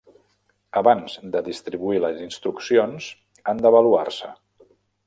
Abans de distribuir les instruccions, han d'avaluar-se.